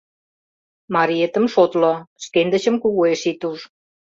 Мариетым шотло, шкендычым кугуэш ит уж!